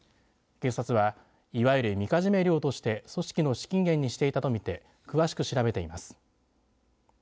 警察は、いわゆるみかじめ料として組織の資金源にしていたと見て詳しく調べています。